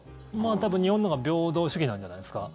多分、日本のほうが平等主義なんじゃないですか？